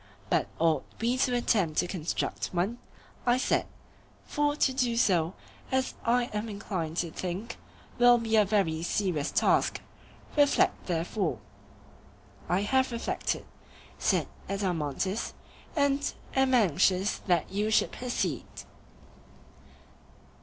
But ought we to attempt to construct one? I said; for to do so, as I am inclined to think, will be a very serious task. Reflect therefore. I have reflected, said Adeimantus, and am anxious that you should proceed.